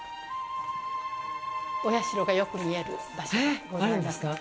お社がよく見える場所がございまして。